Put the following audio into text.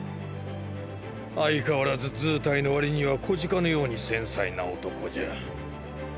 相変わらず図体の割には小鹿のように繊細な男じゃ。